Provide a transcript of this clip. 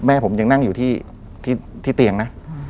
แม่ผมยังนั่งอยู่ที่เตียงนะ